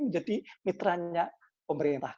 menjadi mitra mitranya pemerintah